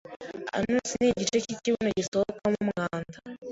anus ni igice cyo ku kibuno gisohokamo umwanda